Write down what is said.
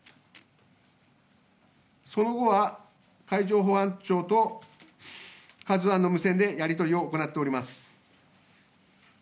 その後は、海上保安庁とカズワンの無線でやり取りを行っております。